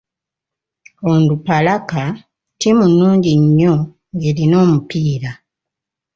Onduparaka ttiimu nnungi nnyo nga erina omupiira.